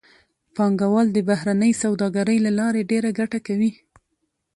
پانګوال د بهرنۍ سوداګرۍ له لارې ډېره ګټه کوي